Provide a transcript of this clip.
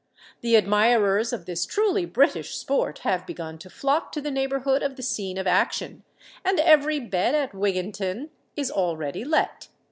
The admirers of this truly British sport have begun to flock to the neighbourhood of the scene of action; and every bed at Wigginton is already let.